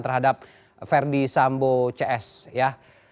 terhadap verdi sambo cs ya